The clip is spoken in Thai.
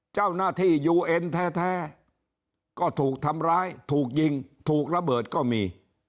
เจ้าหน้าที่ยูเอ็นแท้ก็ถูกทำร้ายถูกยิงถูกระเบิดก็มี